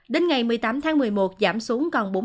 đến ngày một mươi tám tháng một mươi một giảm xuống còn bụng